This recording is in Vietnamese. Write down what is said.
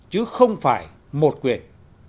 chứ không phải một quyền